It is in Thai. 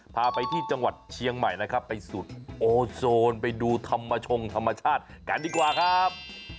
พาไปที่จังหวัดเชียงใหม่นะครับไปสุดโอโซนไปดูธรรมชงธรรมชาติกันดีกว่าครับ